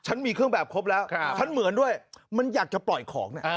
มีเครื่องแบบครบแล้วฉันเหมือนด้วยมันอยากจะปล่อยของเนี่ย